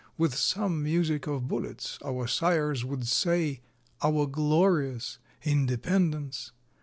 _ (With some music of bullets, our sires would say,) Our glorious Independence!